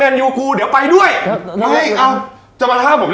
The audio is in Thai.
มึงพูดได้ไหม